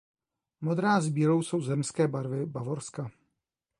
Modrá s bílou jsou zemské barvy Bavorska.